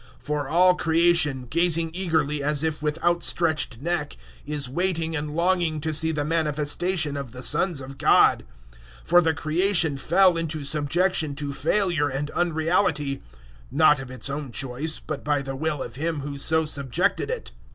008:019 For all creation, gazing eagerly as if with outstretched neck, is waiting and longing to see the manifestation of the sons of God. 008:020 For the Creation fell into subjection to failure and unreality (not of its own choice, but by the will of Him who so subjected it).